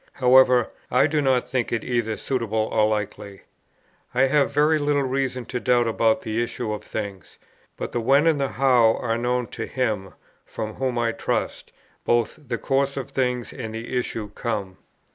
However, I do not think it either suitable or likely. I have very little reason to doubt about the issue of things, but the when and the how are known to Him, from whom, I trust, both the course of things and the issue come.